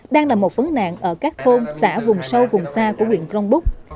đang là một phấn nạn ở các thôn xã vùng sâu vùng xa của huyện grong búc